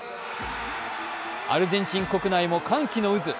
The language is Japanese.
アルゼンチン国内も歓喜の渦。